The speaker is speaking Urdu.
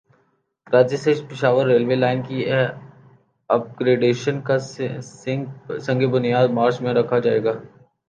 کراچی سے پشاور ریلوے لائن کی اپ گریڈیشن کا سنگ بنیاد مارچ میں رکھا جائے گا